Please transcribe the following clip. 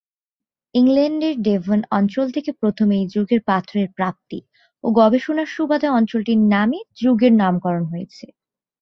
ইংল্যান্ডের ডেভন অঞ্চল থেকে প্রথম এই যুগের পাথরের প্রাপ্তি ও গবেষণার সুবাদে অঞ্চলটির নামে যুগের নামকরণ হয়েছে।